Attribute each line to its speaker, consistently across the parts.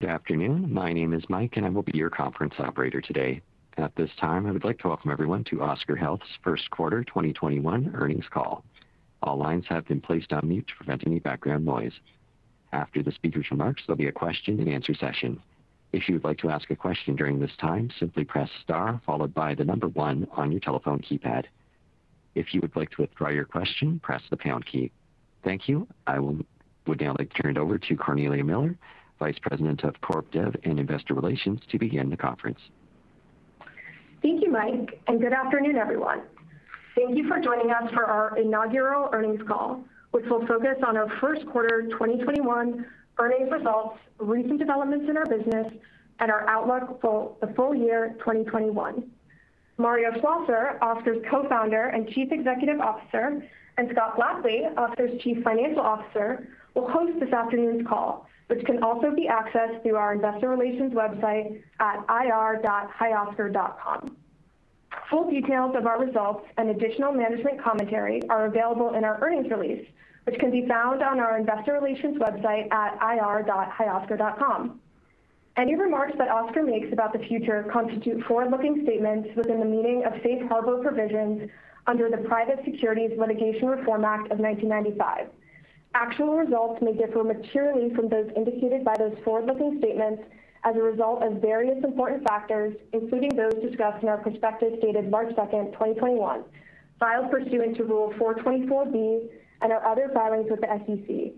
Speaker 1: Good afternoon. My name is Mike, and I will be your conference operator today. At this time, I would like to welcome everyone to Oscar Health's first quarter 2021 earnings call. All lines have been placed on mute to prevent any background noise. After the speakers' remarks, there'll be a question and answer session. If you would like to ask a question during this time, simply press star followed by the number 1 on your telephone keypad. If you would like to withdraw your question, press the pound key. Thank you. I will now like to turn it over to Cornelia Miller, Vice President of Corp Dev and Investor Relations, to begin the conference.
Speaker 2: Thank you, Mike, and good afternoon, everyone. Thank you for joining us for our inaugural earnings call, which will focus on our first quarter 2021 earnings results, recent developments in our business, and our outlook for the full year 2021. Mario Schlosser, Oscar’s Co-founder and Chief Executive Officer, and Scott Blackley, Oscar’s Chief Financial Officer, will host this afternoon’s call, which can also be accessed through our investor relations website at ir.hioscar.com. Full details of our results and additional management commentary are available in our earnings release, which can be found on our investor relations website at ir.hioscar.com. Any remarks that Oscar makes about the future constitute forward-looking statements within the meaning of safe harbor provisions under the Private Securities Litigation Reform Act of 1995. Actual results may differ materially from those indicated by those forward-looking statements as a result of various important factors, including those discussed in our prospectus dated March 2nd, 2021, filed pursuant to Rule 424 and our other filings with the SEC.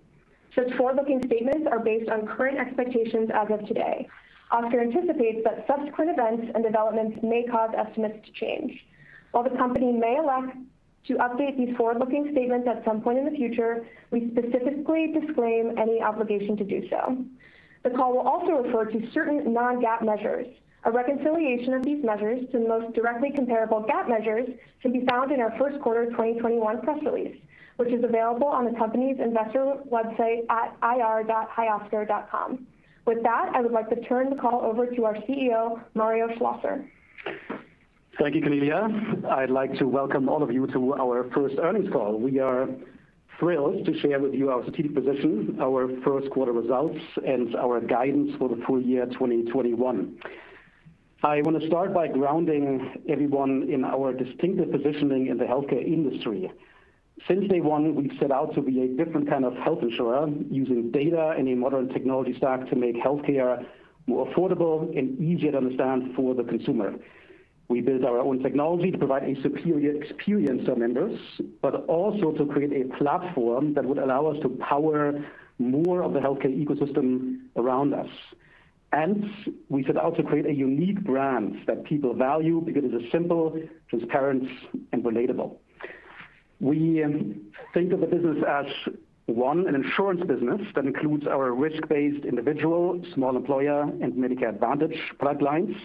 Speaker 2: Such forward-looking statements are based on current expectations as of today. Oscar anticipates that subsequent events and developments may cause estimates to change. While the company may elect to update these forward-looking statements at some point in the future, we specifically disclaim any obligation to do so. The call will also refer to certain non-GAAP measures. A reconciliation of these measures to the most directly comparable GAAP measures can be found in our first quarter 2021 press release, which is available on the company's investor website at ir.hioscar.com. With that, I would like to turn the call over to our CEO, Mario Schlosser.
Speaker 3: Thank you, Cornelia. I'd like to welcome all of you to our first earnings call. We are thrilled to share with you our strategic position, our first quarter results, and our guidance for the full year 2021. I want to start by grounding everyone in our distinctive positioning in the healthcare industry. Since day one, we've set out to be a different kind of health insurer using data and a modern technology stack to make healthcare more affordable and easier to understand for the consumer. We build our own technology to provide a superior experience to our members, but also to create a platform that would allow us to power more of the healthcare ecosystem around us. We set out to create a unique brand that people value because it is simple, transparent, and relatable. We think of the business as, one, an insurance business that includes our risk-based individual, small employer, and Medicare Advantage product lines.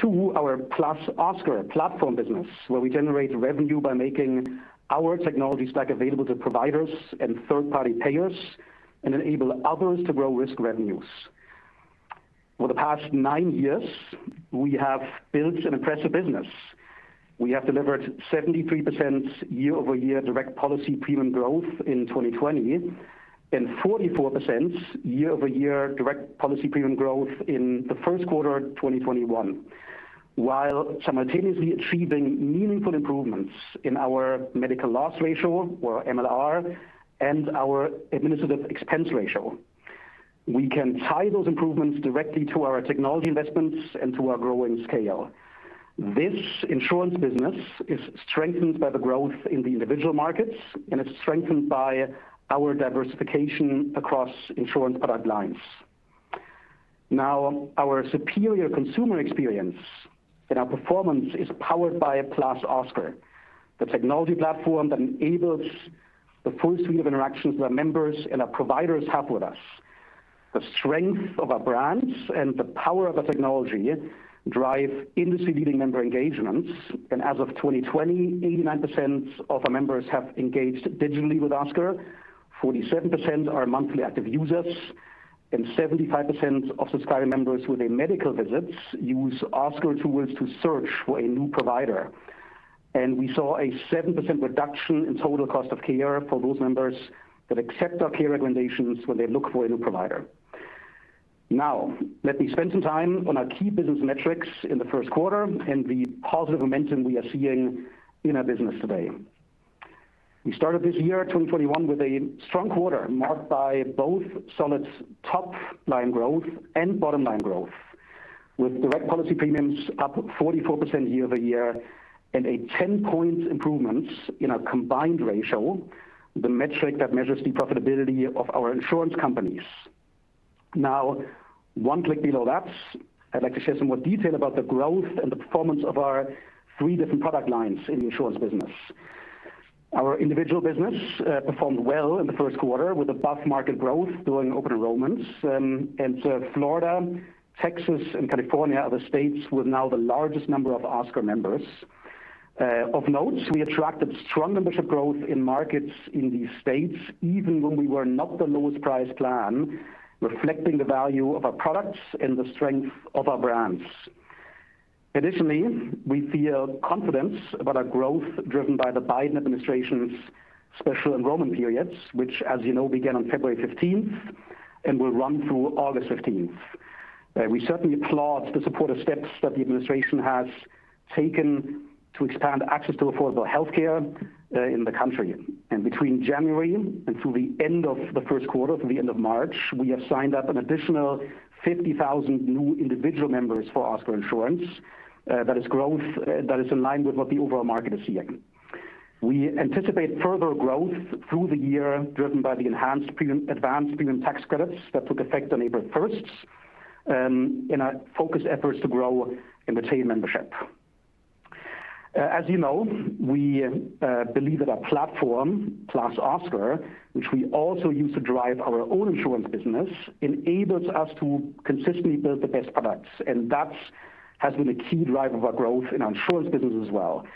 Speaker 3: Two, our +Oscar platform business, where we generate revenue by making our technology stack available to providers and third-party payers and enable others to grow risk revenues. For the past nine years, we have built an impressive business. We have delivered 73% year-over-year direct policy premium growth in 2020 and 44% year-over-year direct policy premium growth in the first quarter of 2021, while simultaneously achieving meaningful improvements in our medical loss ratio, or MLR, and our administrative expense ratio. We can tie those improvements directly to our technology investments and to our growing scale. This insurance business is strengthened by the growth in the individual markets, and it's strengthened by our diversification across insurance product lines. Our superior consumer experience and our performance is powered by +Oscar, the technology platform that enables the full suite of interactions that members and our providers have with us. The strength of our brands and the power of the technology drive industry-leading member engagements, and as of 2020, 89% of our members have engaged digitally with Oscar, 47% are monthly active users, and 75% of subscribed members with a medical visit use Oscar tools to search for a new provider. We saw a 7% reduction in total cost of care for those members that accept our care recommendations when they look for a new provider. Let me spend some time on our key business metrics in the first quarter and the positive momentum we are seeing in our business today. We started this year, 2021, with a strong quarter marked by both solid top-line growth and bottom-line growth, with direct policy premiums up 44% year-over-year and a 10-point improvement in our combined ratio, the metric that measures the profitability of our insurance companies. Now, one click below that, I'd like to share some more detail about the growth and the performance of our three different product lines in the insurance business. Our individual business performed well in the first quarter with above-market growth during open enrollments, and Florida, Texas, and California are the states with now the largest number of Oscar members. Of note, we attracted strong membership growth in markets in these states even when we were not the lowest priced plan, reflecting the value of our products and the strength of our brands. Additionally, we feel confidence about our growth driven by the Biden administration's special enrollment periods, which as you know, began on February 15th and will run through August 15th. We certainly applaud the supportive steps that the administration has taken to expand access to affordable healthcare in the country. Between January and through the end of the first quarter, through the end of March, we have signed up an additional 50,000 new individual members for Oscar Insurance. That is growth that is in line with what the overall market is seeing. We anticipate further growth through the year driven by the enhanced Advance Premium Tax Credits that took effect on April 1st, in our focused efforts to grow and retain membership. As you know, we believe that our platform, +Oscar, which we also use to drive our own insurance business, enables us to consistently build the best products. That has been a key driver of our growth in our insurance business as well.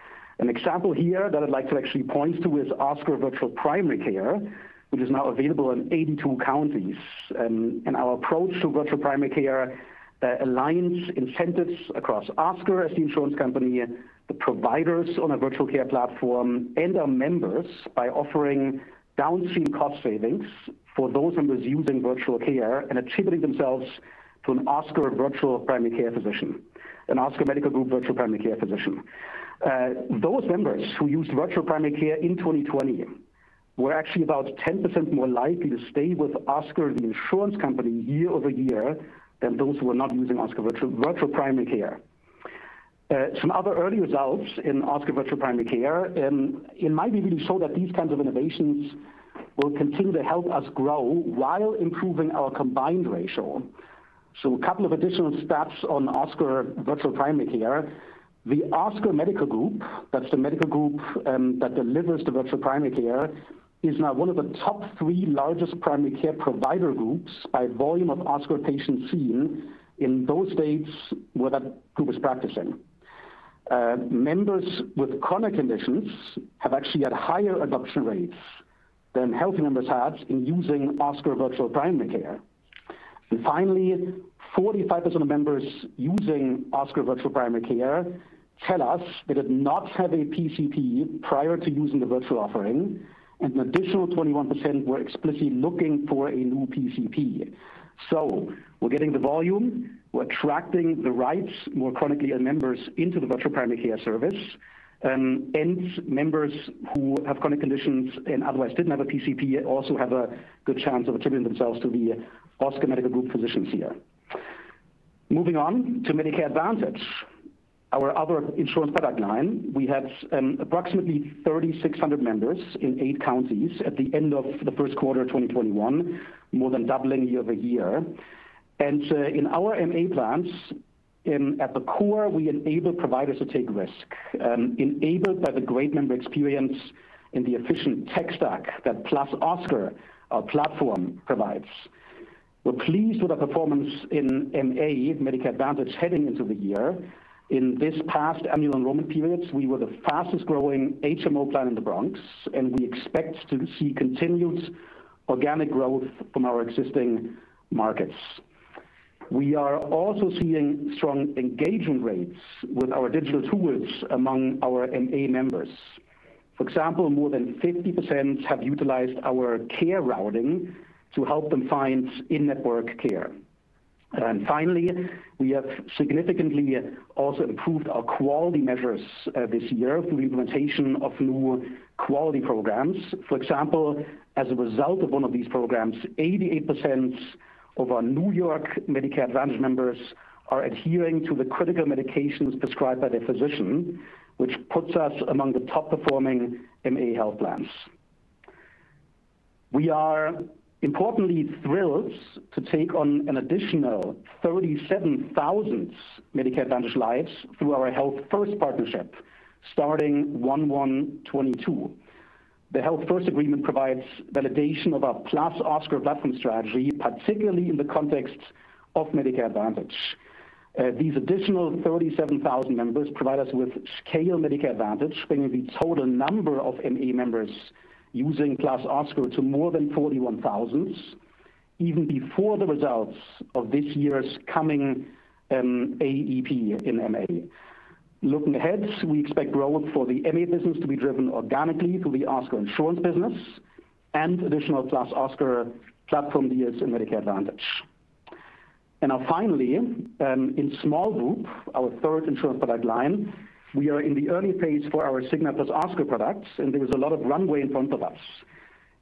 Speaker 3: An example here that I'd like to actually point to is Oscar Virtual Primary Care, which is now available in 82 counties. Our approach to virtual primary care aligns incentives across Oscar as the insurance company, the providers on our virtual care platform, and our members by offering downstream cost savings for those members using virtual care and attributing themselves to an Oscar Virtual Primary Care physician, an Oscar Medical Group Virtual Primary Care physician. Those members who used Oscar Virtual Primary Care in 2020 were actually about 10% more likely to stay with Oscar Insurance Company year-over-year than those who were not using Oscar Virtual Primary Care. Some other early results in Oscar Virtual Primary Care, and it might be really show that these kinds of innovations will continue to help us grow while improving our combined ratio. A couple of additional stats on Oscar Virtual Primary Care. The Oscar Medical Group, that's the medical group that delivers the Oscar Virtual Primary Care, is now one of the top three largest primary care provider groups by volume of Oscar patients seen in those states where that group is practicing. Members with chronic conditions have actually had higher adoption rates than healthy members had in using Oscar Virtual Primary Care. Finally, 45% of members using Oscar Virtual Primary Care tell us they did not have a PCP prior to using the virtual offering, and an additional 21% were explicitly looking for a new PCP. We're getting the volume, we're attracting the right more chronically ill members into the virtual primary care service, and members who have chronic conditions and otherwise didn't have a PCP also have a good chance of attributing themselves to the Oscar Medical Group physicians here. Moving on to Medicare Advantage, our other insurance product line. We had approximately 3,600 members in eight counties at the end of the first quarter of 2021, more than doubling year-over-year. In our MA plans, at the core, we enable providers to take risk, enabled by the great member experience and the efficient tech stack that +Oscar, our platform, provides. We're pleased with our performance in MA, Medicare Advantage, heading into the year. In this past annual enrollment periods, we were the fastest growing HMO plan in the Bronx. We expect to see continued organic growth from our existing markets. We are also seeing strong engagement rates with our digital tools among our MA members. For example, more than 50% have utilized our care routing to help them find in-network care. Finally, we have significantly also improved our quality measures this year through the implementation of new quality programs. For example, as a result of one of these programs, 88% of our New York Medicare Advantage members are adhering to the critical medications prescribed by their physician, which puts us among the top performing MA health plans. We are importantly thrilled to take on an additional 37,000 Medicare Advantage lives through our Health First partnership starting 01/01/2022. The Health First agreement provides validation of our Plus Oscar platform strategy, particularly in the context of Medicare Advantage. These additional 37,000 members provide us with scale Medicare Advantage, bringing the total number of MA members using Plus Oscar to more than 41,000, even before the results of this year's coming AEP in MA. Looking ahead, we expect growth for the MA business to be driven organically through the Oscar Insurance business and additional Plus Oscar platform deals in Medicare Advantage. Now finally, in Small Group, our third insurance product line, we are in the early phase for our Cigna + Oscar products, and there is a lot of runway in front of us.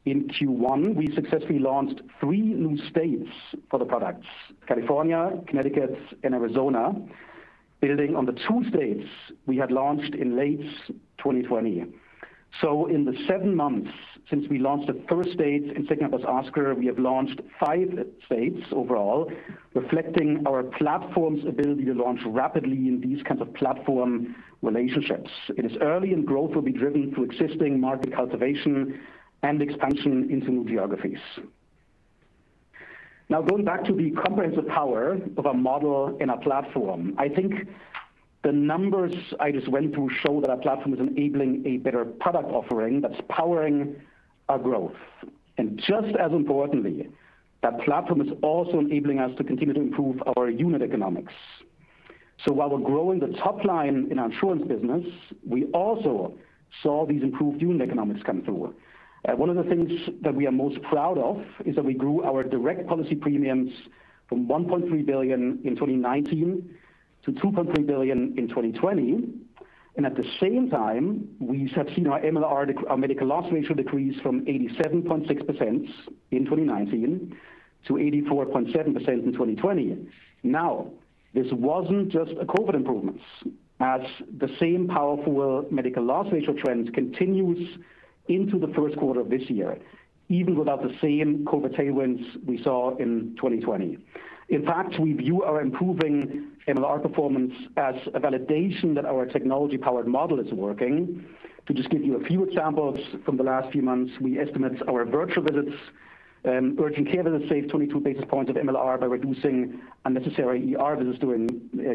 Speaker 3: In Q1, we successfully launched three new states for the products, California, Connecticut, and Arizona, building on the two states we had launched in late 2020. In the 7 months since we launched the first states in Cigna + Oscar, we have launched 5 states overall, reflecting our platform's ability to launch rapidly in these kinds of platform relationships. It is early, and growth will be driven through existing market cultivation and expansion into new geographies. Going back to the comprehensive power of our model and our platform. I think the numbers I just went through show that our platform is enabling a better product offering that's powering our growth. Just as importantly, that platform is also enabling us to continue to improve our unit economics. While we're growing the top line in our insurance business, we also saw these improved unit economics come through. One of the things that we are most proud of is that we grew our direct policy premiums from $1.3 billion in 2019 - $2.3 billion in 2020. At the same time, we have seen our MLR, our medical loss ratio, decrease from 87.6% in 2019 - 84.7% in 2020. This wasn't just a COVID improvement, as the same powerful medical loss ratio trend continues into the first quarter of this year, even without the same COVID tailwinds we saw in 2020. In fact, we view our improving MLR performance as a validation that our technology-powered model is working. To just give you a few examples from the last few months, we estimate our virtual visits, urgent care visits saved 22 basis points of MLR by reducing unnecessary ER visits during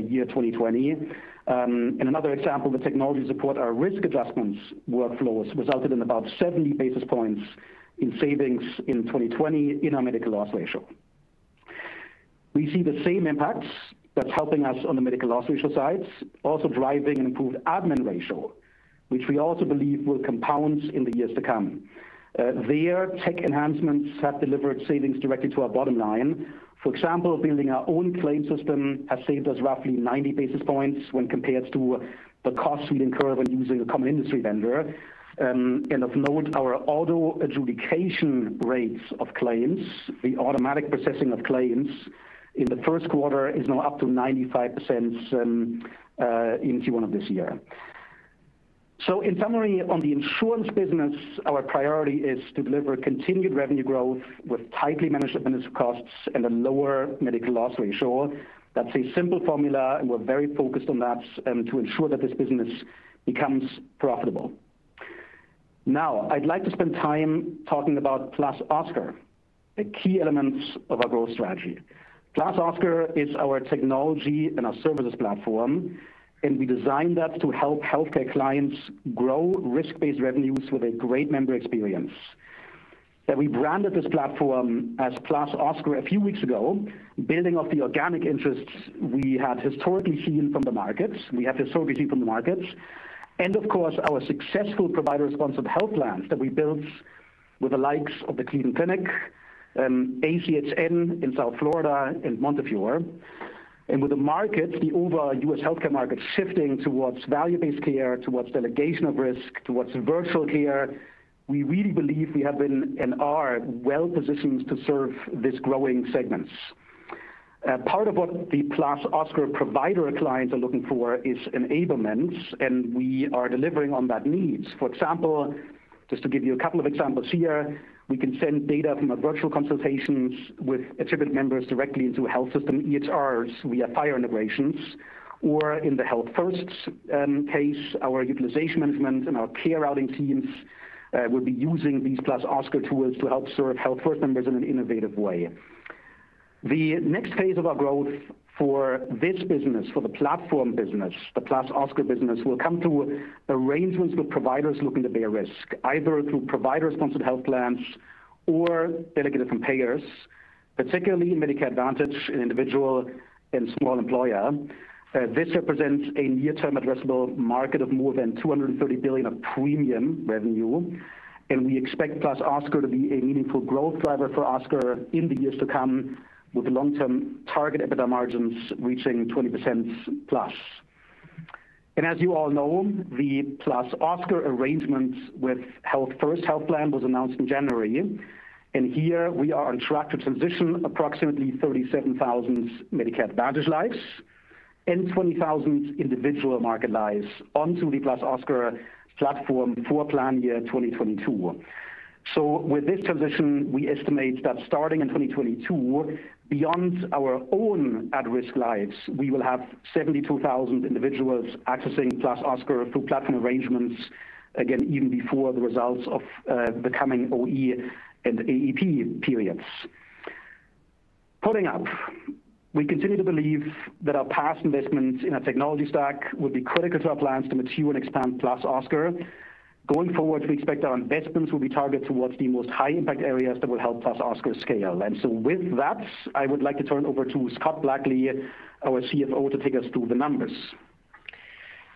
Speaker 3: year 2020. Another example of the technology to support our risk adjustments workflows resulted in about 70 basis points in savings in 2020 in our medical loss ratio. We've seen the same impacts that's helping us on the medical loss ratio sides, also driving improved admin ratio, which we also believe will compound in the years to come. There, tech enhancements have delivered savings directly to our bottom line. For example, building our own claims system has saved us roughly 90 basis points when compared to the cost we incur when using a common industry vendor. Of note, our auto adjudication rates of claims, the automatic processing of claims, in the first quarter is now up to 95% in Q1 of this year. In summary, on the insurance business, our priority is to deliver continued revenue growth with tightly managed business costs and a lower medical loss ratio. That's a simple formula, and we're very focused on that to ensure that this business becomes profitable. Now, I'd like to spend time talking about +Oscar, a key element of our growth strategy. +Oscar is our technology and our services platform. We designed that to help healthcare clients grow risk-based revenues with a great member experience. We branded this platform as +Oscar a few weeks ago, building off the organic interests we have historically seen from the markets. Of course, our successful provider-sponsored health plans that we built with the likes of the Cleveland Clinic, ACHN in South Florida, and Montefiore. With the market, the overall U.S. healthcare market shifting towards value-based care, towards delegation of risk, towards virtual care, we really believe we have been, and are, well-positioned to serve these growing segments. Part of what the +Oscar provider clients are looking for is enablement. We are delivering on that need. For example, just to give you a couple of examples here, we can send data from the virtual consultations with attributed members directly to health system EHRs via FHIR integrations, or in the Health First case, our utilization management and our care routing teams will be using these +Oscar tools to help serve Health First members in an innovative way. The next phase of our growth for this business, for the platform business, the +Oscar business, will come through arrangements with providers looking to bear risk, either through provider-sponsored health plans or delegated from payers, particularly Medicare Advantage, individual, and small employer. This represents a near-term addressable market of more than $230 billion of premium revenue, and we expect +Oscar to be a meaningful growth driver for Oscar in the years to come, with long-term target EBITDA margins reaching 20% plus. As you all know, the +Oscar arrangement with Health First Health Plans was announced in January, and here we are in proactive transition of approximately 37,000 Medicare Advantage lives and 20,000 individual market lives onto the +Oscar platform for plan year 2022. With this transition, we estimate that starting in 2022, beyond our own at-risk lives, we will have 72,000 individuals accessing +Oscar through platform arrangements, again, even before the results of the coming OE and AEP periods. Pulling out, we continue to believe that our past investments in our technology stack will be critical to our plans to mature and expand +Oscar. Going forward, we expect our investments will be targeted towards the most high-impact areas that will help +Oscar scale. With that, I would like to turn it over to Scott Blackley, our CFO, to take us through the numbers.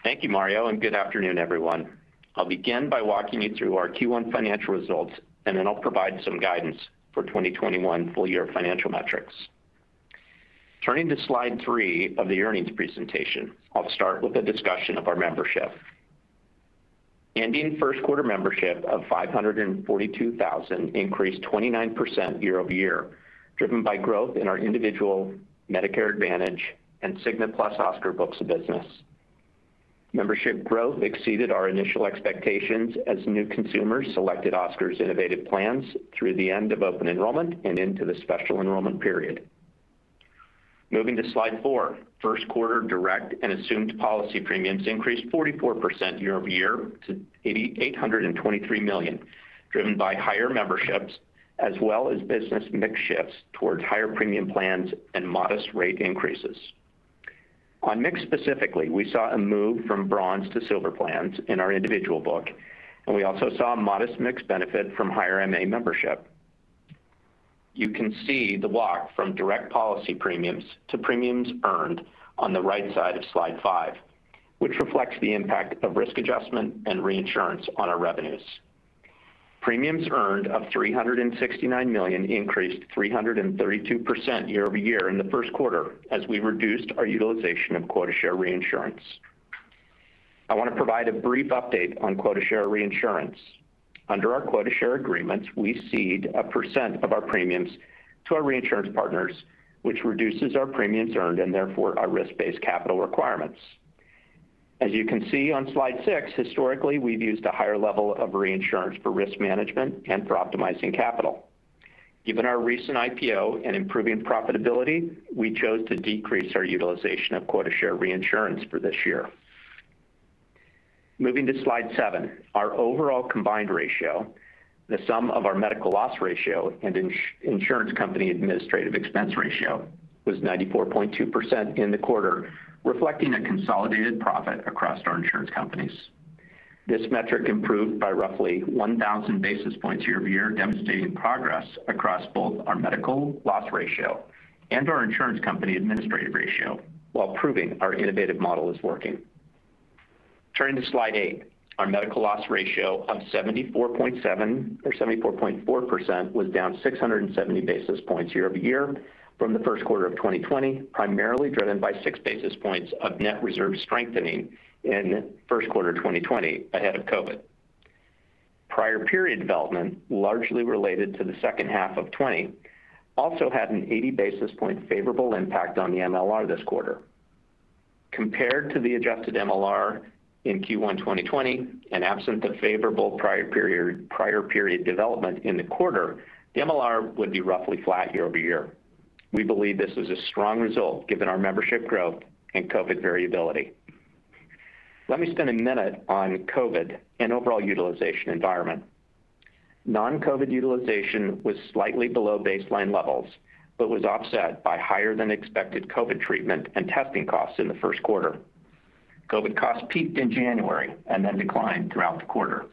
Speaker 4: Thank you, Mario, and good afternoon, everyone. I'll begin by walking you through our Q1 financial results, and then I'll provide some guidance for 2021 full-year financial metrics. Turning to slide three of the earnings presentation, I'll start with a discussion of our membership. Ending first quarter membership of 542,000 increased 29% year-over-year, driven by growth in our individual, Medicare Advantage, and Cigna + Oscar books of business. Membership growth exceeded our initial expectations as new consumers selected Oscar's innovative plans through the end of open enrollment and into the special enrollment period. Moving to slide four, first quarter direct and assumed policy premiums increased 44% year-over-year to $823 million, driven by higher memberships as well as business mix shifts towards higher premium plans and modest rate increases. On mix specifically, we saw a move from bronze to silver plans in our individual book, and we also saw a modest mix benefit from higher MA membership. You can see the walk from direct policy premiums to premiums earned on the right side of slide five, which reflects the impact of risk adjustment and reinsurance on our revenues. Premiums earned of $369 million increased 332% year-over-year in the first quarter as we reduced our utilization of quota share reinsurance. I want to provide a brief update on quota share reinsurance. Under our quota share agreements, we cede a percent of our premiums to our reinsurance partners, which reduces our premiums earned, and therefore our risk-based capital requirements. As you can see on slide six, historically, we've used a higher level of reinsurance for risk management and for optimizing capital. Given our recent IPO and improving profitability, we chose to decrease our utilization of quota share reinsurance for this year. Moving to slide seven, our overall combined ratio, the sum of our medical loss ratio and insurance company administrative expense ratio, was 94.2% in the quarter, reflecting a consolidated profit across our insurance companies. This metric improved by roughly 1,000 basis points year-over-year, demonstrating progress across both our medical loss ratio and our insurance company administrative ratio, while proving our innovative model is working. Turning to slide eight, our medical loss ratio of 74.4% was down 670 basis points year-over-year from the first quarter of 2020, primarily driven by six basis points of net reserve strengthening in first quarter 2020 ahead of COVID. Prior period development, largely related to the second half of 2020, also had an 80 basis point favorable impact on the MLR this quarter. Compared to the adjusted MLR in Q1 2020, and absent the favorable prior period development in the quarter, the MLR would be roughly flat year-over-year. We believe this is a strong result given our membership growth and COVID variability. Let me spend a minute on COVID and overall utilization environment. Non-COVID utilization was slightly below baseline levels, but was offset by higher than expected COVID treatment and testing costs in the first quarter. COVID costs peaked in January and then declined throughout the quarter.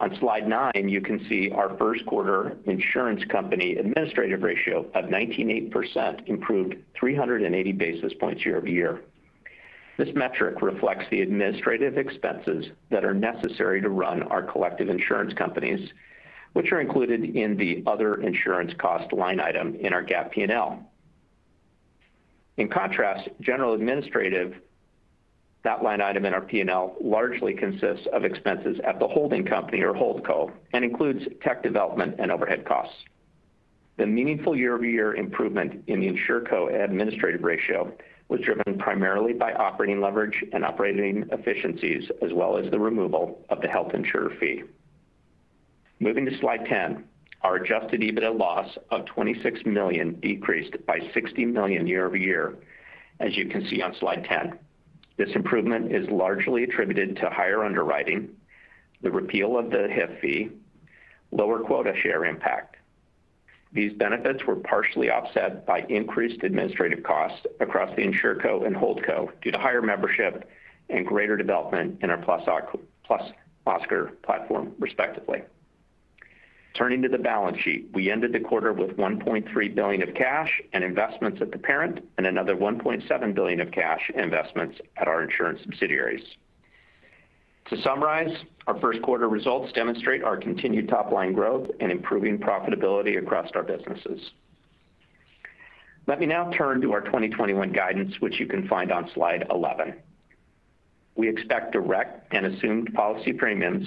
Speaker 4: On slide nine, you can see our first quarter insurance company administrative ratio of 19.8% improved 380 basis points year-over-year. This metric reflects the administrative expenses that are necessary to run our collective insurance companies, which are included in the other insurance cost line item in our GAAP P&L. In contrast, general administrative, that line item in our P&L, largely consists of expenses at the holding company or Holdco, and includes tech development and overhead costs. The meaningful year-over-year improvement in the InsuranceCo administrative ratio was driven primarily by operating leverage and operating efficiencies, as well as the removal of the health insurer fee. Moving to slide 10, our adjusted EBITDA loss of $26 million decreased by $60 million year-over-year, as you can see on slide 10. This improvement is largely attributed to higher underwriting, the repeal of the HIF fee, lower quota share impact. These benefits were partially offset by increased administrative costs across the InsuranceCo and Holdco due to higher membership and greater development in our +Oscar platform, respectively. Turning to the balance sheet, we ended the quarter with $1.3 billion of cash and investments at the parent, and another $1.7 billion of cash investments at our insurance subsidiaries. To summarize, our first quarter results demonstrate our continued top-line growth and improving profitability across our businesses. Let me now turn to our 2021 guidance, which you can find on slide 11. We expect direct and assumed policy premiums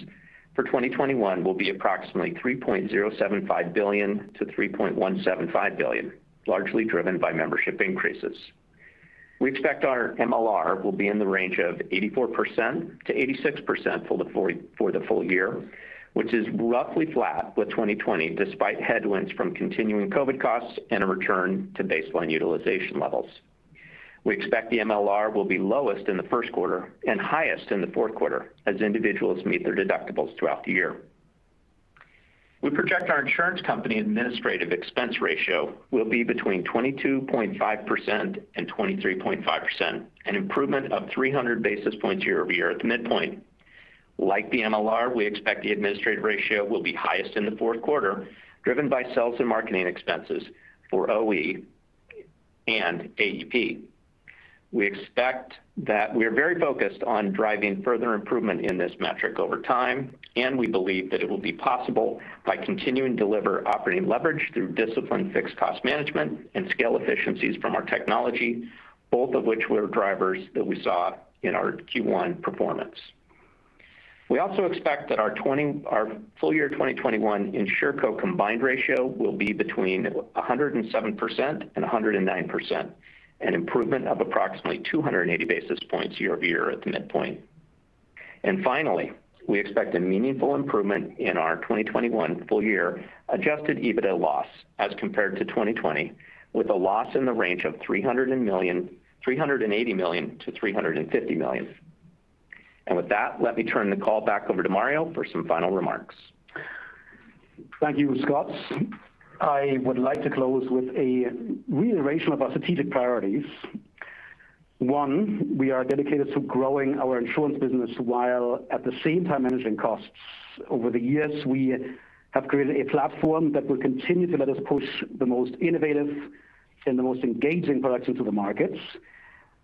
Speaker 4: for 2021 will be approximately $3.075 billion-$3.175 billion, largely driven by membership increases. We expect our MLR will be in the range of 84%-86% for the full year, which is roughly flat with 2020, despite headwinds from continuing COVID costs and a return to baseline utilization levels. We expect the MLR will be lowest in the first quarter and highest in the fourth quarter as individuals meet their deductibles throughout the year. We project our insurance company administrative expense ratio will be between 22.5% and 23.5%, an improvement of 300 basis points year-over-year at the midpoint. Like the MLR, we expect the administrative ratio will be highest in the fourth quarter, driven by sales and marketing expenses for OE and AEP. We are very focused on driving further improvement in this metric over time, and we believe that it will be possible by continuing to deliver operating leverage through disciplined fixed cost management and scale efficiencies from our technology, both of which were drivers that we saw in our Q1 performance. We also expect that our full year 2021 InsuranceCo combined ratio will be between 107%-109%, an improvement of approximately 280 basis points year-over-year at the midpoint. Finally, we expect a meaningful improvement in our 2021 full year adjusted EBITDA loss as compared to 2020, with a loss in the range of $380 million-$350 million. With that, let me turn the call back over to Mario for some final remarks.
Speaker 3: Thank you, Scott. I would like to close with a reiteration of our strategic priorities. One, we are dedicated to growing our insurance business while at the same time managing costs. Over the years, we have created a platform that will continue to let us push the most innovative and the most engaging products into the markets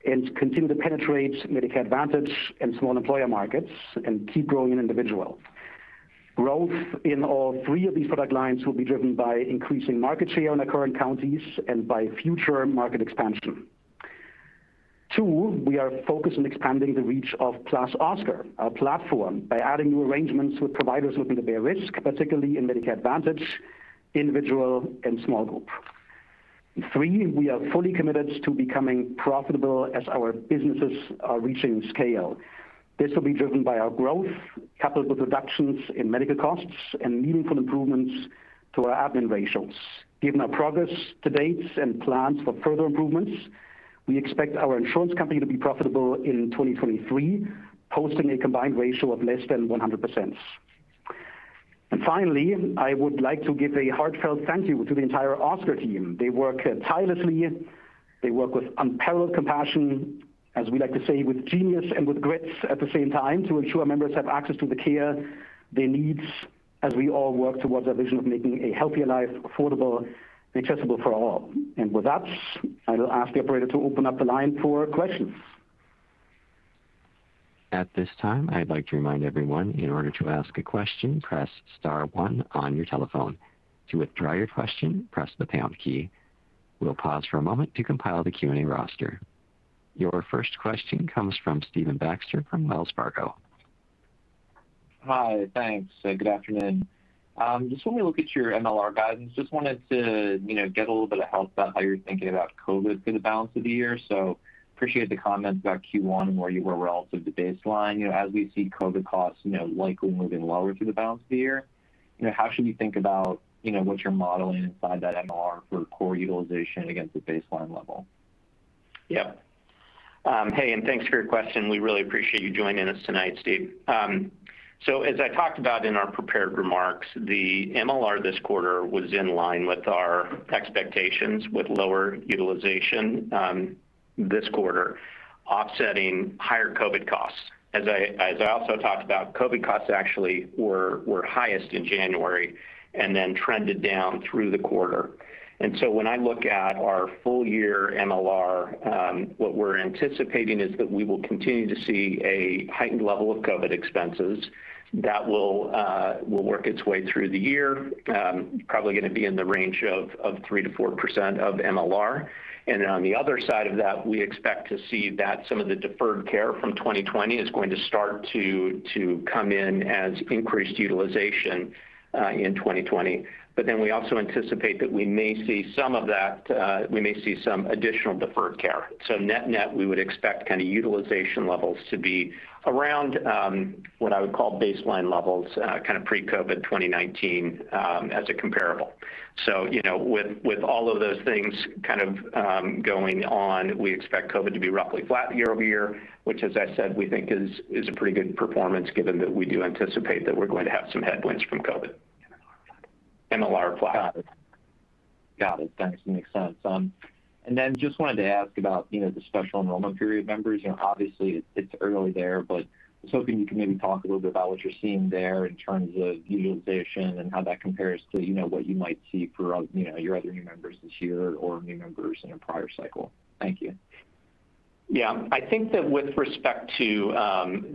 Speaker 3: and continue to penetrate Medicare Advantage and small employer markets and keep growing in individual. Growth in all three of these product lines will be driven by increasing market share in our current counties and by future market expansion. Two, we are focused on expanding the reach of +Oscar, our platform, by adding new arrangements with providers looking to bear risk, particularly in Medicare Advantage, individual, and small group. Three, we are fully committed to becoming profitable as our businesses are reaching scale. This will be driven by our growth, capital reductions in medical costs, and meaningful improvements to our admin ratios. Given our progress to date and plans for further improvements, we expect our insurance company to be profitable in 2023, posting a combined ratio of less than 100%. Finally, I would like to give a heartfelt thank you to the entire Oscar team. They work tirelessly. They work with unparalleled compassion, as we like to say, with genius and with grit at the same time to ensure members have access to the care they need as we all work towards our vision of making a healthier life affordable and accessible for all. With that, I will ask the operator to open up the line for questions.
Speaker 1: We'll pause for a moment to compile the Q&A roster. Your first question comes from Stephen Baxter from Wells Fargo.
Speaker 5: Hi. Thanks. Good afternoon. Just when we look at your MLR guidance, just wanted to get a little bit of help about how you're thinking about COVID for the balance of the year. Appreciate the comments about Q1 and where you were relative to baseline. As we see COVID costs likely moving lower through the balance of the year, how should we think about what you're modeling inside that MLR for core utilization against the baseline level?
Speaker 4: Yep. Hey, thanks for your question. We really appreciate you joining us tonight, Stephen. As I talked about in our prepared remarks, the MLR this quarter was in line with our expectations with lower utilization this quarter offsetting higher COVID costs. As I also talked about, COVID costs actually were highest in January and then trended down through the quarter. When I look at our full year MLR, what we're anticipating is that we will continue to see a heightened level of COVID expenses that will work its way through the year, probably going to be in the range of 3%-4% of MLR. On the other side of that, we expect to see that some of the deferred care from 2020 is going to start to come in as increased utilization in 2020. We also anticipate that we may see some additional deferred care. Net-net, we would expect kind of utilization levels to be around what I would call baseline levels, kind of pre-COVID 2019 as a comparable. With all of those things kind of going on, we expect COVID to be roughly flat year-over-year, which, as I said, we think is a pretty good performance given that we do anticipate that we're going to have some headwinds from COVID. MLR flat.
Speaker 5: Got it. Thanks. Makes sense. Just wanted to ask about the special enrollment period members. Obviously, it's early there, but I was hoping you can maybe talk a little bit about what you're seeing there in terms of utilization and how that compares to what you might see for your other new members this year or new members in a prior cycle. Thank you.
Speaker 4: Yeah. I think that with respect to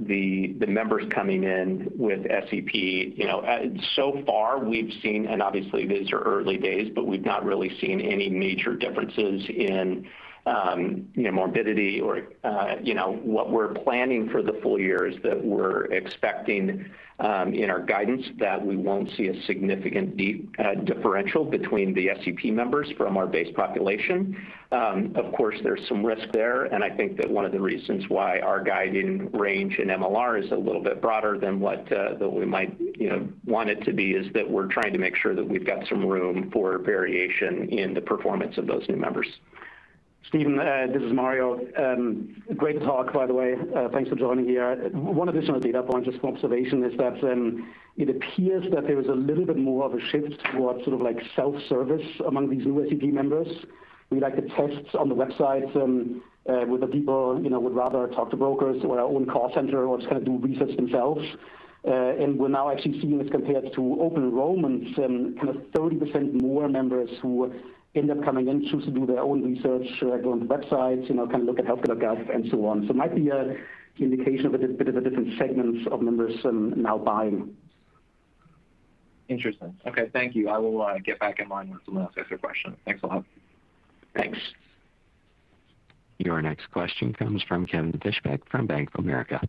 Speaker 4: the members coming in with SEP, so far we've seen, and obviously these are early days, but we've not really seen any major differences in morbidity. What we're planning for the full year is that we're expecting in our guidance that we won't see a significant deep differential between the SEP members from our base population. Of course, there's some risk there, I think that one of the reasons why our guiding range in MLR is a little bit broader than what we might want it to be is that we're trying to make sure that we've got some room for variation in the performance of those new members.
Speaker 3: Stephen, this is Mario. Great talk, by the way. Thanks for joining here. One additional data point, just for observation, is that it appears that there is a little bit more of a shift towards sort of self-service among these new SEP members, like the tests on the websites, whether people would rather talk to brokers or our own call center or just kind of do research themselves. We're now actually seeing this compared to open enrollments, kind of 30% more members who end up coming in choose to do their own research on the websites, kind of look at healthcare.gov and so on. Might be an indication of a bit of a different segment of members now buying.
Speaker 5: Interesting. Okay. Thank you. I will get back in line with someone else if there are questions. Thanks a lot.
Speaker 3: Thanks.
Speaker 1: Your next question comes from Kevin Fischbeck from Bank of America.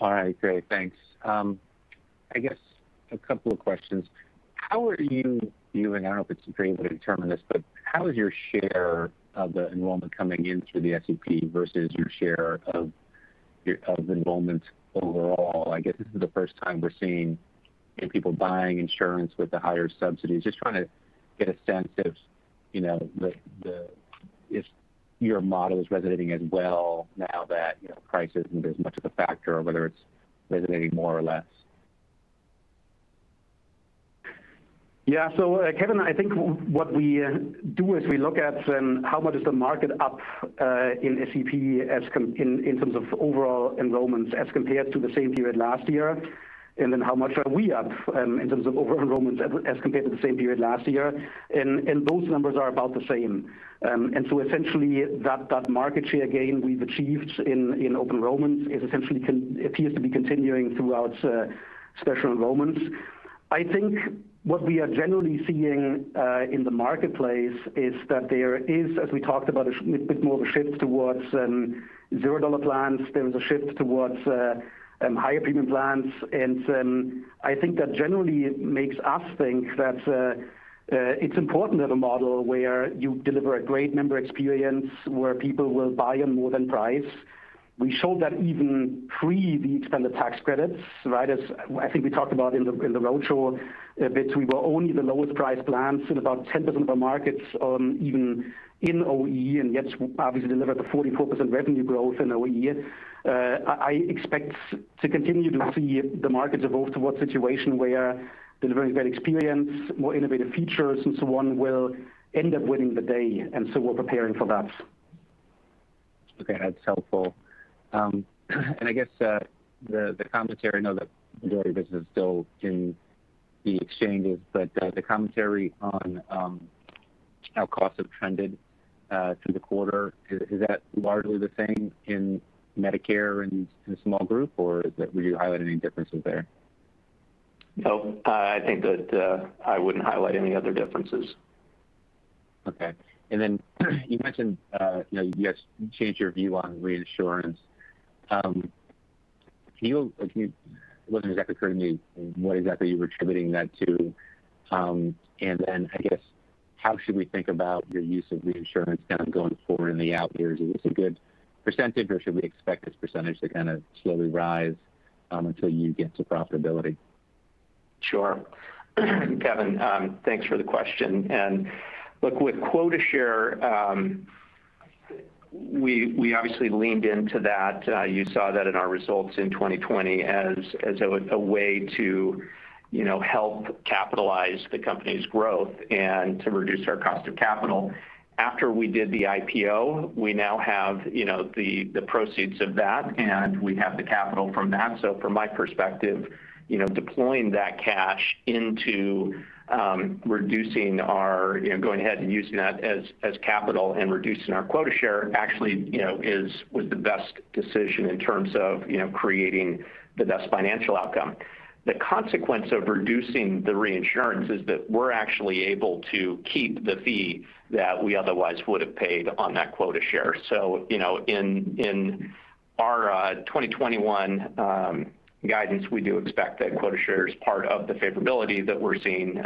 Speaker 6: All right, great. Thanks. I guess a couple of questions. How are you viewing I don't know if it's something you determine this, but how is your share of the enrollment coming in through the SEP versus your share of enrollment overall? I guess this is the first time we're seeing in people buying insurance with the higher subsidies. Just trying to get a sense of if your model is resonating as well now that price isn't as much of a factor, or whether it's resonating more or less.
Speaker 3: Yeah. Kevin, I think what we do is we look at how much is the market up in APTC, in terms of overall enrollments as compared to the same period last year. How much are we up in terms of overall enrollments as compared to the same period last year. Those numbers are about the same. Essentially that market share gain we've achieved in open enrollment appears to be continuing throughout special enrollments. I think what we are generally seeing in the marketplace is that there is, as we talked about, a bit more of a shift towards $0 plans. There is a shift towards higher premium plans, and I think that generally makes us think that it's important to have a model where you deliver a great member experience, where people will buy on more than price. We showed that even pre the expanded tax credits, right? As I think we talked about in the roadshow a bit, we were only the lowest priced plans in about 10% of our markets, even in OE, and yet obviously delivered a 44% revenue growth in OE. I expect to continue to see the markets evolve toward a situation where delivering a great experience, more innovative features and so on, will end up winning the day. We're preparing for that.
Speaker 6: Okay, that's helpful. I guess the commentary, I know that majority of this is still in the exchanges, but the commentary on how costs have trended through the quarter, is that largely the same in Medicare and in small group, or would you highlight any differences there?
Speaker 4: No, I think that I wouldn't highlight any other differences.
Speaker 6: Okay. You mentioned you guys changed your view on reinsurance. It wasn't exactly clear to me what exactly you were attributing that to. I guess, how should we think about your use of reinsurance kind of going forward in the out years? Is this a good percentage, or should we expect this percentage to kind of slowly rise until you get to profitability?
Speaker 4: Sure. Kevin, thanks for the question. Look, with quota share, we obviously leaned into that, you saw that in our results in 2020 as a way to help capitalize the company's growth and to reduce our cost of capital. After we did the IPO, we now have the proceeds of that, and we have the capital from that. From my perspective, deploying that cash into going ahead and using that as capital and reducing our quota share actually was the best decision in terms of creating the best financial outcome. The consequence of reducing the reinsurance is that we're actually able to keep the fee that we otherwise would've paid on that quota share. In our 2021 guidance, we do expect that quota share is part of the favorability that we're seeing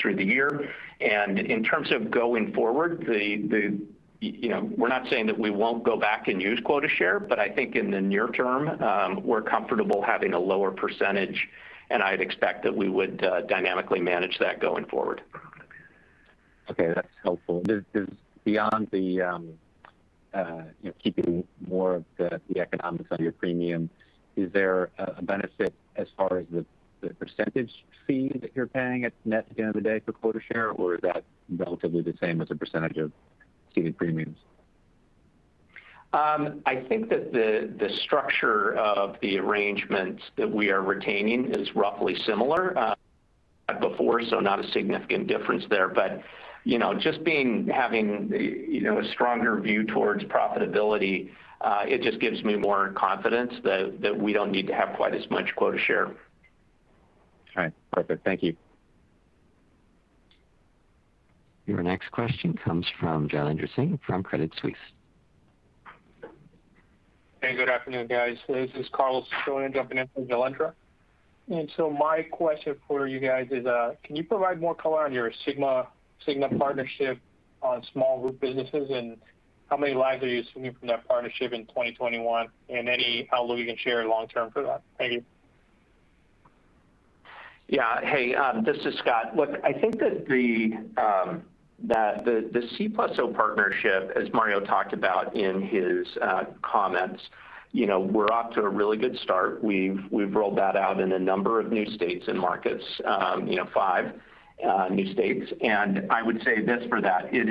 Speaker 4: through the year. In terms of going forward, we're not saying that we won't go back and use quota share. I think in the near term, we're comfortable having a lower percentage. I'd expect that we would dynamically manage that going forward.
Speaker 6: Okay. That's helpful. Beyond keeping more of the economics on your premium, is there a benefit as far as the percentage fee that you're paying at net at the end of the day for quota share, or is that relatively the same as a percentage of seated premiums?
Speaker 4: I think that the structure of the arrangements that we are retaining is roughly similar before, so not a significant difference there. Just having a stronger view towards profitability, it just gives me more confidence that we don't need to have quite as much quota share.
Speaker 6: All right, perfect. Thank you.
Speaker 1: Your next question comes from Jailendra Singh from Credit Suisse.
Speaker 7: Hey, good afternoon, guys. This is Carlos Ciccone jumping in for Jailendra. My question for you guys is, can you provide more color on your Cigna partnership on small group businesses, and how many lives are you assuming from that partnership in 2021, and any outlook you can share long-term for that? Thank you.
Speaker 4: Hey, this is Scott. I think that the Cigna + Oscar partnership, as Mario talked about in his comments, we're off to a really good start. We've rolled that out in a number of new states and markets, five new states. I would say this for that, it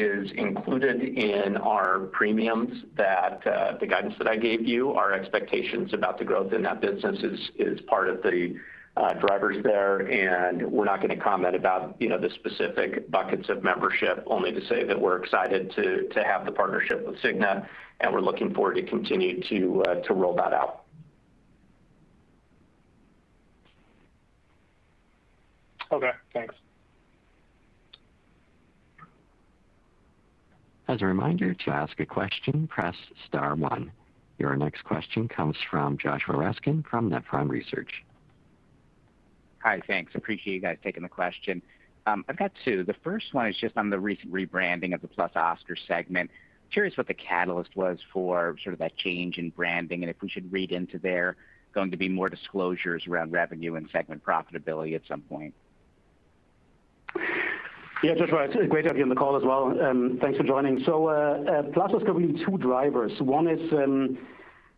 Speaker 4: is included in our premiums that the guidance that I gave you, our expectations about the growth in that business is part of the drivers there, we're not going to comment about the specific buckets of membership, only to say that we're excited to have the partnership with Cigna, we're looking forward to continue to roll that out.
Speaker 7: Okay, thanks.
Speaker 1: As a reminder, to ask a question, press star one. Your next question comes from Joshua Raskin from Nephron Research.
Speaker 8: Hi, thanks. Appreciate you guys taking the question. I've got two. The first one is just on the recent rebranding of the +Oscar segment. Curious what the catalyst was for sort of that change in branding, and if we should read into there going to be more disclosures around revenue and segment profitability at some point?
Speaker 3: Yeah, Josh. Great to have you on the call as well. Thanks for joining. +Oscar, we have two drivers. One is,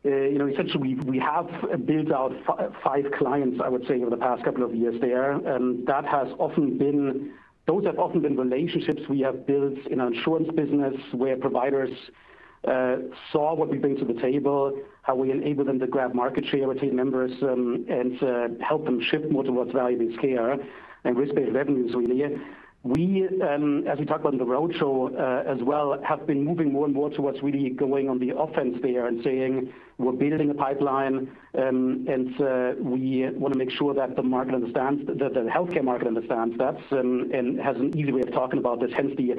Speaker 3: essentially, we have built out five clients, I would say, over the past couple of years there. Those have often been relationships we have built in our insurance business, where providers saw what we bring to the table, how we enable them to grab market share with team members, and to help them shift more towards value-based care and risk-based revenues, really. We, as we talked about on the roadshow as well, have been moving more and more towards really going on the offense there and saying we're building a pipeline, and we want to make sure that the healthcare market understands that, and has an easy way of talking about this, hence the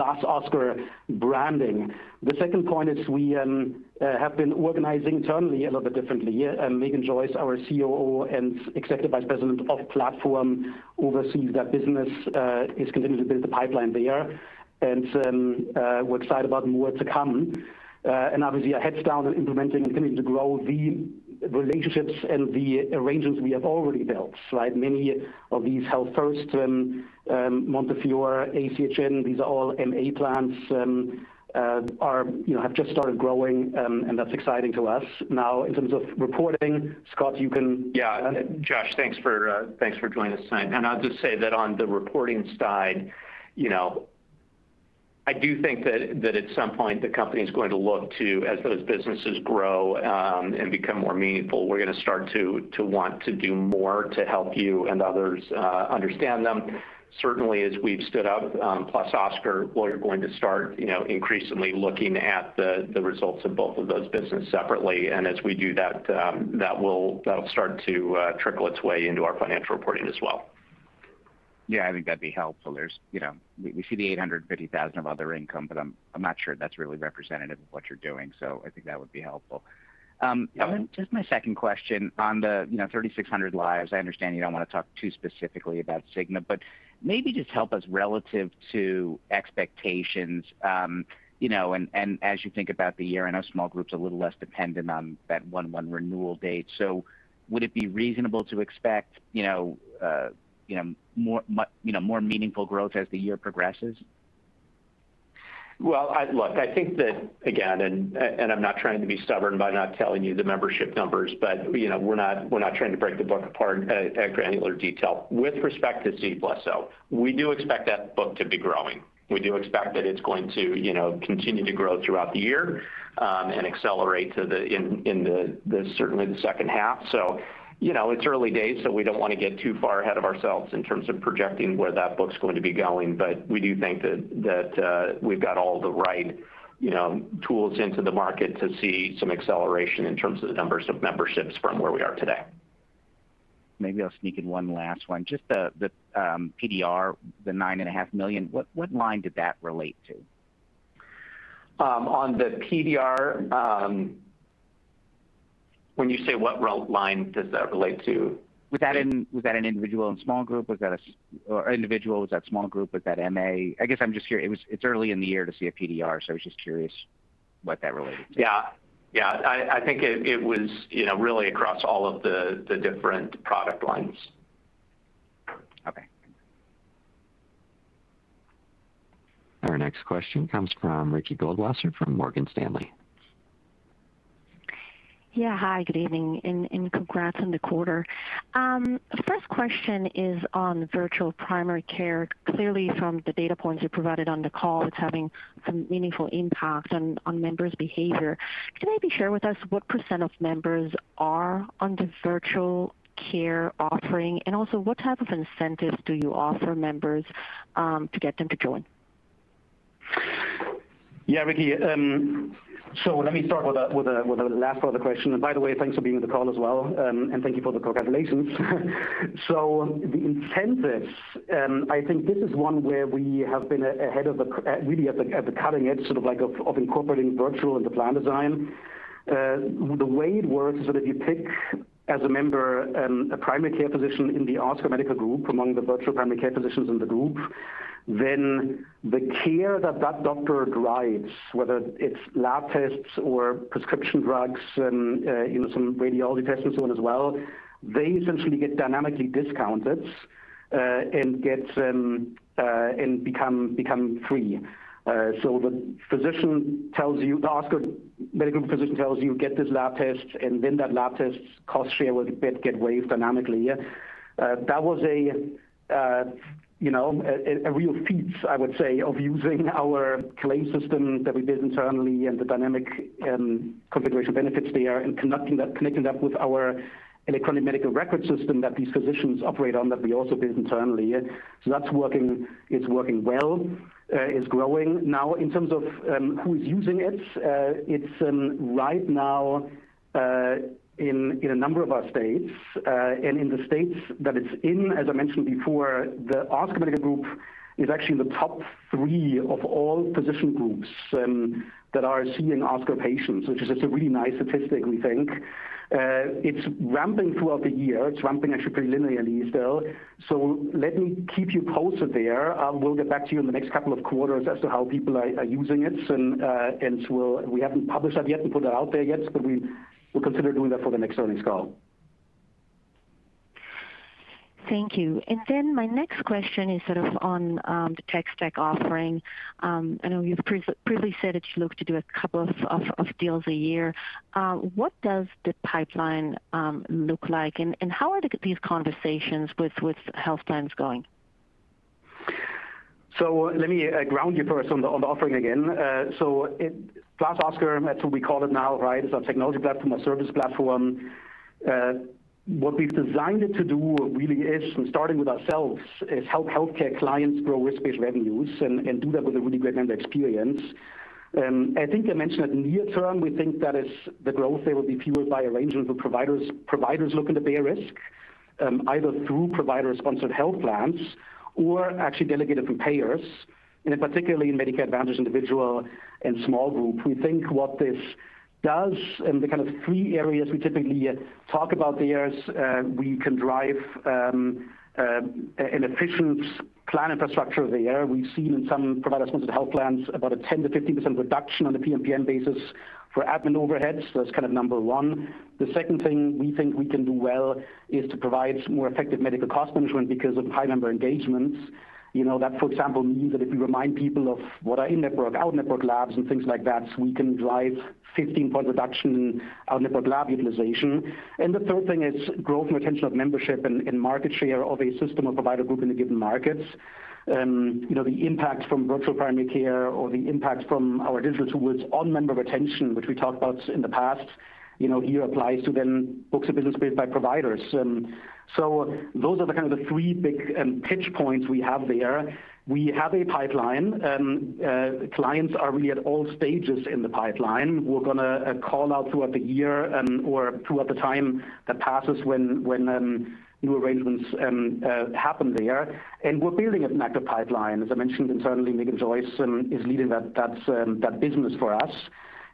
Speaker 3: +Oscar branding. The second point is we have been organizing internally a little bit differently. Meghan Joyce, our COO and Executive Vice President of Platform, oversees that business, is continuing to build the pipeline there. We're excited about more to come. Obviously our heads down and implementing, continuing to grow the relationships and the arrangements we have already built. Many of these, Health First, Montefiore, ACHN, these are all MA plans, have just started growing, and that's exciting to us. Now, in terms of reporting, Scott, you can-
Speaker 4: Yeah. Josh, thanks for joining us tonight. I'll just say that on the reporting side, I do think that at some point the company's going to look to, as those businesses grow and become more meaningful, we're going to start to want to do more to help you and others understand them. Certainly, as we've stood up +Oscar, we're going to start increasingly looking at the results of both of those businesses separately. As we do that'll start to trickle its way into our financial reporting as well.
Speaker 8: Yeah, I think that'd be helpful. We see the $850,000 of other income, but I'm not sure that's really representative of what you're doing. I think that would be helpful.
Speaker 4: Yeah.
Speaker 8: Just my second question on the 3,600 lives. I understand you don't want to talk too specifically about Cigna, but maybe just help us relative to expectations, and as you think about the year. I know small group's a little less dependent on that one renewal date. Would it be reasonable to expect more meaningful growth as the year progresses?
Speaker 4: Well, look, I think that, again, I'm not trying to be stubborn by not telling you the membership numbers, we're not trying to break the book apart at granular detail. With respect to Cigna + Oscar, we do expect that book to be growing. We do expect that it's going to continue to grow throughout the year, and accelerate in certainly the second half. It's early days, so we don't want to get too far ahead of ourselves in terms of projecting where that book's going to be going. We do think that we've got all the right tools into the market to see some acceleration in terms of the numbers of memberships from where we are today.
Speaker 8: Maybe I'll sneak in one last one. Just the PDR, the $9.5 million, what line did that relate to?
Speaker 4: On the PDR, when you say what line does that relate to?
Speaker 8: Was that an individual and small group? Was that MA? I guess it's early in the year to see a PDR, so I was just curious what that related to.
Speaker 4: Yeah. I think it was really across all of the different product lines.
Speaker 8: Okay.
Speaker 1: Our next question comes from Ricky Goldwasser from Morgan Stanley.
Speaker 9: Yeah. Hi, good evening, and congrats on the quarter. First question is on virtual primary care. Clearly, from the data points you provided on the call, it's having some meaningful impact on members' behavior. Can you maybe share with us what % of members are on the virtual care offering? Also, what type of incentives do you offer members to get them to join?
Speaker 3: Yeah, Ricky. Let me start with the last part of the question. By the way, thanks for being on the call as well, and thank you for the congratulations. The incentives, I think this is one where we have been really at the cutting edge of incorporating virtual into plan design. The way it works is that if you pick, as a member, a primary care physician in the Oscar Medical Group, among the virtual primary care physicians in the group, then the care that that doctor drives, whether it's lab tests or prescription drugs, some radiology tests and so on as well, they essentially get dynamically discounted, and become free. The Oscar Medical Group physician tells you, "Get this lab test," and then that lab test's cost share will get waived dynamically. That was a real feat, I would say, of using our claim system that we built internally and the dynamic configuration benefits there, and connecting that with our electronic medical record system that these physicians operate on, that we also built internally. That's working well. It's growing. In terms of who's using it's right now in a number of our states. In the states that it's in, as I mentioned before, the Oscar Medical Group is actually in the top three of all physician groups that are seeing Oscar patients, which is just a really nice statistic, we think. It's ramping throughout the year. It's ramping actually pretty linearly still. Let me keep you posted there. We'll get back to you in the next couple of quarters as to how people are using it. We haven't published that yet and put that out there yet, but we'll consider doing that for the next earnings call.
Speaker 9: Thank you. My next question is on the tech stack offering. I know you've previously said that you look to do a couple of deals a year. What does the pipeline look like, and how are these conversations with health plans going?
Speaker 3: Let me ground you first on the offering again. +Oscar, that's what we call it now, right? It's our technology platform, our service platform. What we've designed it to do really is, and starting with ourselves, is help healthcare clients grow risk-based revenues and do that with a really great member experience. I think I mentioned that near term, we think that is the growth there will be fueled by arrangements with providers looking to bear risk, either through provider-sponsored health plans or actually delegated from payers, and particularly in Medicare Advantage, individual and small group. We think what this does in the kind of three areas we typically talk about there is we can drive an efficient plan infrastructure there. We've seen in some provider-sponsored health plans about a 10%-15% reduction on a PMPM basis for admin overhead. That's kind of number one. The second thing we think we can do well is to provide more effective medical cost management because of high member engagements. That, for example, means that if we remind people of what are in-network, out-network labs and things like that, we can drive 15 point reduction in out-network lab utilization. The third thing is growth and retention of membership and market share of a system or provider group in the given markets. The impact from virtual primary care or the impact from our digital tools on member retention, which we talked about in the past, here applies to then books of business built by providers. Those are the kind of the three big pitch points we have there. We have a pipeline. Clients are really at all stages in the pipeline. We're going to call out throughout the year or throughout the time that passes when new arrangements happen there. We're building a macro pipeline, as I mentioned, and certainly Meghan Joyce is leading that business for us.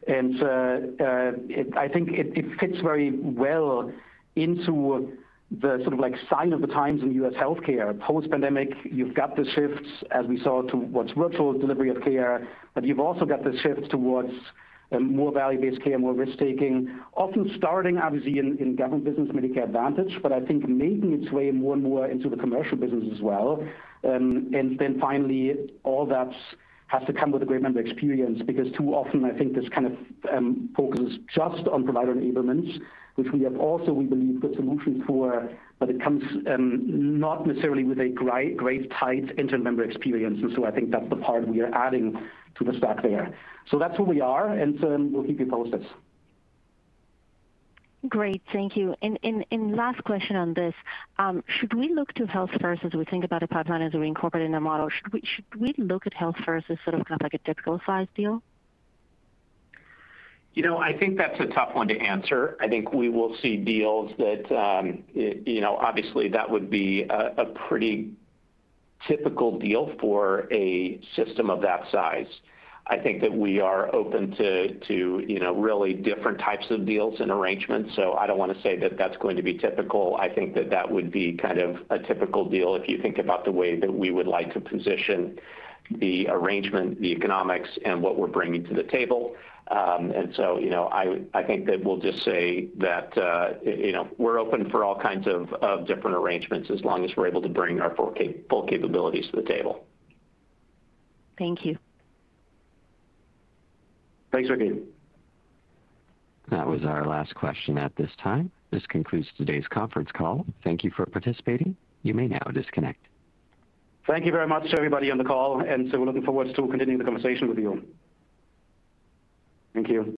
Speaker 3: I think it fits very well into the sort of sign of the times in U.S. healthcare. Post-pandemic, you've got the shifts, as we saw, towards virtual delivery of care, but you've also got the shifts towards more value-based care, more risk-taking. Often starting, obviously, in government business Medicare Advantage, but I think making its way more and more into the commercial business as well. Finally, all that has to come with a great member experience, because too often I think this kind of focuses just on provider enablements, which we have also, we believe, good solutions for, but it comes not necessarily with a great, tight end-to-end member experience. I think that's the part we are adding to the stack there. That's where we are, and so we'll keep you posted.
Speaker 9: Great. Thank you. Last question on this. Should we look to Health First as we think about a pipeline, as we incorporate in the model? Should we look at Health First as sort of kind of like a typical size deal?
Speaker 4: I think that's a tough one to answer. I think we will see deals that, obviously, that would be a pretty typical deal for a system of that size. I think that we are open to really different types of deals and arrangements, so I don't want to say that that's going to be typical. I think that that would be kind of a typical deal if you think about the way that we would like to position the arrangement, the economics, and what we're bringing to the table. I think that we'll just say that we're open for all kinds of different arrangements as long as we're able to bring our full capabilities to the table.
Speaker 9: Thank you.
Speaker 3: Thanks again.
Speaker 1: That was our last question at this time. This concludes today's conference call. Thank you for participating. You may now disconnect.
Speaker 3: Thank you very much to everybody on the call, we're looking forward to continuing the conversation with you. Thank you.